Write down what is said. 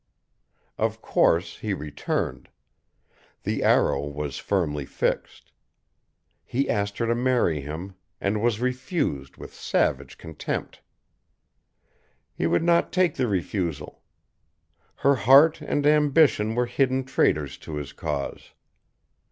Of course he returned. The arrow was firmly fixed. He asked her to marry him, and was refused with savage contempt. He would not take the refusal. Her heart and ambition were hidden traitors to his cause.